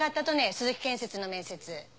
鈴木建設の面接。